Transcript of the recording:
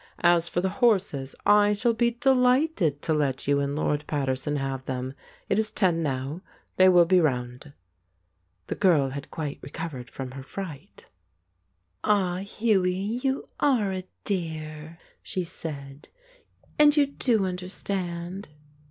As for the horses, I shall be delighted to let you and Lord Paterson have them. It is ten now; they will be round." The girl had quite recovered from her fright. 203 The Ape "Ah, Hughie, you are a dear," she said. "And you do understand?"